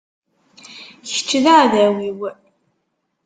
Kečč daεdaw-iw.